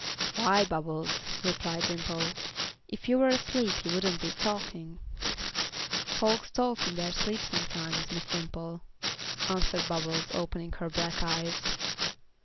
"Why, Bubbles," replied Dimple, "if you were asleep you wouldn't be talking." "Folks talks in their sleep sometimes, Miss Dimple," answered Bubbles, opening her black eyes.